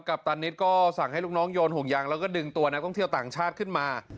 ปตานิดก็สั่งให้ลูกน้องโยนห่วงยางแล้วก็ดึงตัวนักท่องเที่ยวต่างชาติขึ้นมา